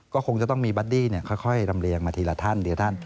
ก็คงจะต้องมีบัดดี้ค่อยรำเรียงมาทีละท่าน